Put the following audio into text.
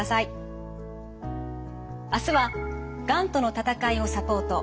明日は「がんとの闘いをサポート」